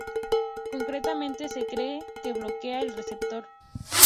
Concretamente, se cree que bloquea el receptor.